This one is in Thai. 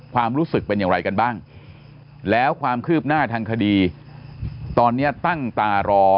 ความรู้สึกเป็นอย่างไรกันบ้างแล้วความคืบหน้าทางคดีตอนนี้ตั้งตารอ